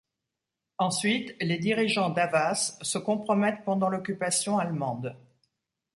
Ensuite, les dirigeants d’Havas se compromettent pendant l'Occupation allemande.